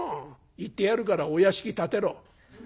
言ってやるからお屋敷建てろ」。